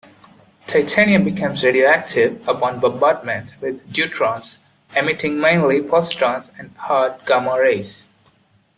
Titanium becomes radioactive upon bombardment with deuterons, emitting mainly positrons and hard gamma rays.